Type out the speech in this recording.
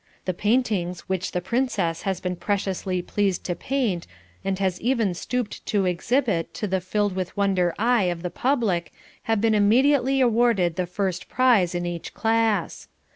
The paintings which the Princess has been preciously pleased to paint and has even stooped to exhibit to the filled with wonder eye of the public have been immediately awarded the first prize in each class.